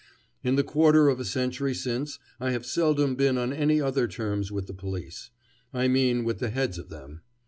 In the quarter of a century since, I have seldom been on any other terms with the police. I mean with the heads of them.